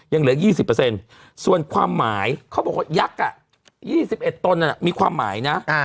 ยังเหลือ๒๐เปอร์เซ็นต์ส่วนความหมายเขาบอกว่ายักษ์อ่ะ๒๑ต้นมีความหมายนะ